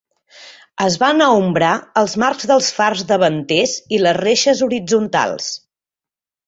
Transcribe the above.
Es van aombrar els marcs dels fars davanters i les reixes horitzontals.